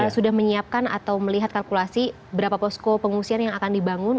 sudah menyiapkan atau melihat kalkulasi berapa posko pengungsian yang akan dibangun